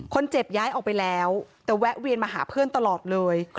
ย้ายออกไปแล้วแต่แวะเวียนมาหาเพื่อนตลอดเลย